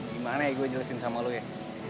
gimana ya gua jelasin sama lu ya